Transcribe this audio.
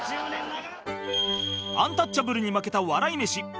アンタッチャブルに負けた笑い飯